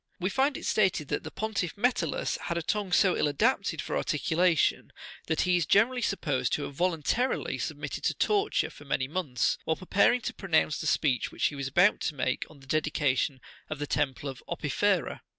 "We find it stated that the pontiff Metellus had a tongue so ill adapted for articulation, that he is generally supposed to have voluntarily submitted to torture for many months, while preparing to pronounce the speech which he was about, to make on the de dication of the temple of Opifera.